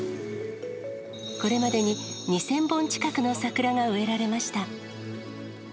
これまでに２０００本近くの桜が植えられました。